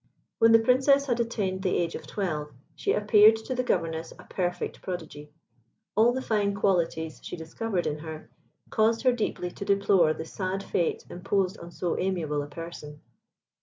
When the Princess had attained the age of twelve she appeared to the governess a perfect prodigy. All the fine qualities she discovered in her caused her deeply to deplore the sad fate imposed on so amiable a person.